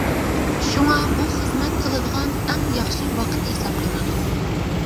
شۇڭا بۇ خىزمەت قىلىدىغان ئەڭ ياخشى ۋاقىت ھېسابلىنىدۇ.